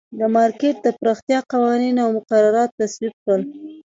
د مارکېټ د پراختیا قوانین او مقررات تصویب کړل.